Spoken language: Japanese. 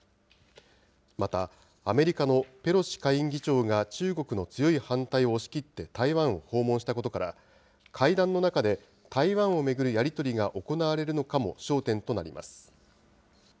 また、アメリカのペロシ下院議長が中国の強い反対を押し切って台湾を訪問したことから、会談の中で、台湾を巡るやり取りが行われるのかも焦点となります。